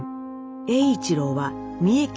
栄一郎は三重県